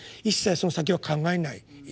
一切その先は考えない